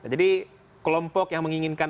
jadi kelompok yang menginginkan